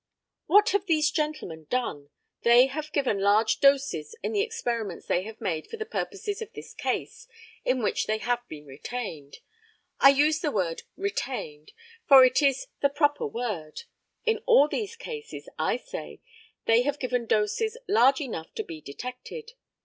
What have these gentlemen done? They have given large doses in the experiments they have made for the purposes of this case, in which they have been retained I use the word "retained," for it is the proper word in all these cases, I say, they have given doses large enough to be detected.